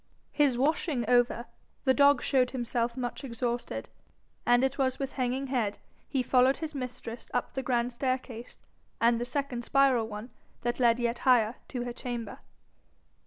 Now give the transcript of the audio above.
His washing over, the dog showed himself much exhausted, and it was with hanging head he followed his mistress up the grand staircase and the second spiral one that led yet higher to her chamber.